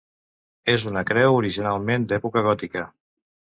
És una creu originalment d'època gòtica.